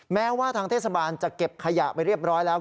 แม้ว่าทางเทศบาลจะเก็บขยะไปเรียบร้อยแล้ว